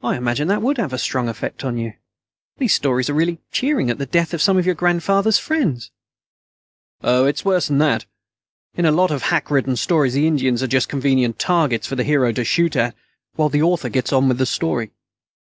"I imagine that would have a strong effect on you. These stories are really cheering at the death of some of your grandfather's friends." "Oh, it's worse than that. In a lot of hack written stories, the Indians are just convenient targets for the hero to shoot at while the author gets on with the story.